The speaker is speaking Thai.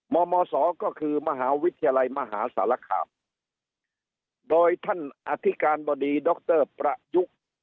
มมศก็คือมหาวิทยาลัยมหาสารคามโดยท่านอธิการบดีดรประยุกต์